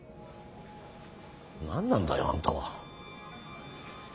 何なんだよあんたは。